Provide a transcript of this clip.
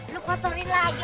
lu kotorin lagi airnya